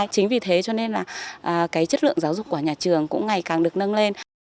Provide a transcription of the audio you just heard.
chính vì thế cho nên là cái chất lượng giáo dục của nhà trường cũng ngày càng được nâng lên